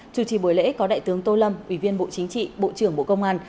chủ trì buổi lễ có đại tướng tô lâm ủy viên bộ chính trị bộ trưởng bộ công an